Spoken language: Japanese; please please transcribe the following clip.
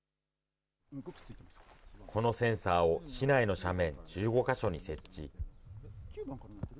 このセンサーを市内の斜面１５か所に設置。